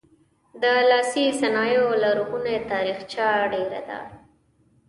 د لاسي صنایعو لرغونې تاریخچه ډیره ده.